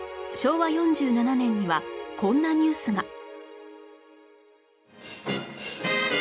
昭和４７年にはこんなニュースが